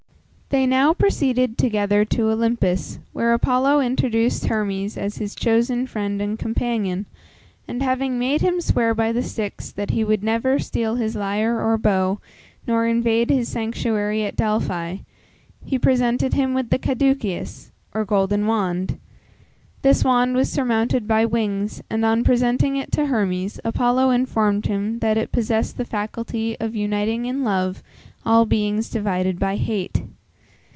They now proceeded together to Olympus, where Apollo introduced Hermes as his chosen friend and companion, and, having made him swear by the Styx, that he would never steal his lyre or bow, nor invade his sanctuary at Delphi, he presented him with the Caduceus, or golden wand. This wand was surmounted by wings, and on presenting it to Hermes, Apollo informed him that it possessed the faculty of uniting in love, all beings divided by hate.